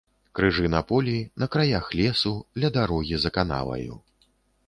Крыжы на полі, на краях лесу, ля дарогі за канаваю.